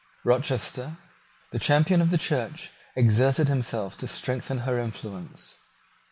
Rochester, the champion of the Church, exerted himself to strengthen her influence.